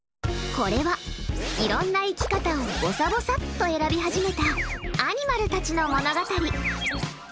これは、いろんな生き方をぼさぼさっと選び始めたアニマルたちの物語。